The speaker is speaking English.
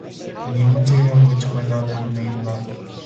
The new material which went under the name Lap.